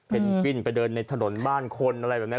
เป็นกวินไปเดินในถนนบ้านคนอะไรแบบนี้